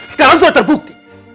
sekarang sudah terbukti